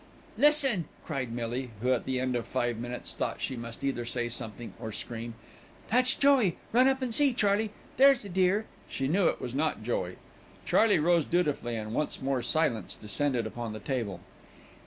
"Listen," cried Millie who, at the end of five minutes, thought she must either say something, or scream. "That's Joey, run up and see, Charley, there's a dear" she knew it was not Joey. Charley rose dutifully, and once more silence descended upon the table.